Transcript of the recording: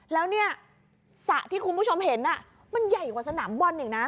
แล้วเนี่ยสระที่คุณผู้ชมเห็นมันใหญ่กว่าสนามบอลอีกนะ